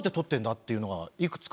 っていうのがいくつか。